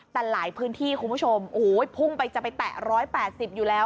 แต่หลายพื้นที่คุณผู้ชมโอ้โหพุ่งไปจะไปแตะ๑๘๐อยู่แล้ว